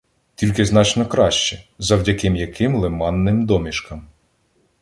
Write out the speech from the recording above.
Тільки значно краще – завдяки м’яким лиманним домішкам